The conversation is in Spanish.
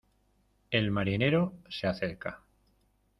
el marinero se acerca: